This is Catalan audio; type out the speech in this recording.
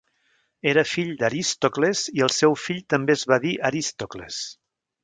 Era fill d'Arístocles i el seu fill també es va dir Arístocles.